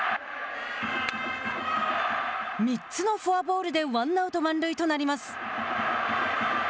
３つのフォアボールでワンアウト、満塁となります。